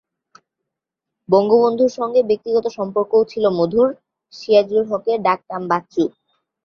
বঙ্গবন্ধুর সঙ্গে ব্যক্তিগত সম্পর্কও ছিল মধুর, সিরাজুল হকের ডাক নাম বাচ্চু।